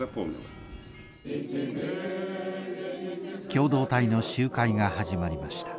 共同体の集会が始まりました。